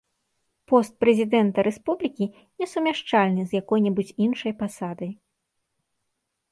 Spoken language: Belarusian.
Пост прэзідэнта рэспублікі несумяшчальны з якой-небудзь іншай пасадай.